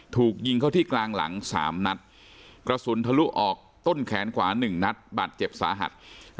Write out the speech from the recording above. ถูกยิงเข้าที่กลางหลัง๓นัดกระสุนทะลุออกต้นแขนขวา๑นัดบาดเจ็บสาหัส